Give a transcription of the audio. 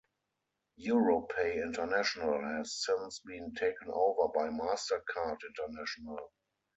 Europay International has since been taken over by MasterCard International.